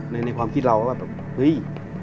ในความที่เราเราก็แบบหึ้ย